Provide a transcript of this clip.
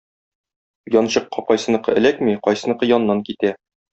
Янчыкка кайсыныкы эләкми, кайсыныкы яннан китә.